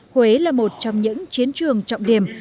huế là một trong những chiến trường trọng điểm